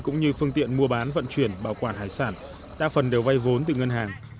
cũng như phương tiện mua bán vận chuyển bảo quản hải sản đa phần đều vay vốn từ ngân hàng